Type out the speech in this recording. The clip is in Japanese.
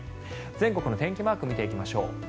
全国の天気マーク見ていきましょう。